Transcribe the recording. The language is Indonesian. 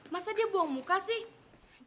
masa dia buang muka sih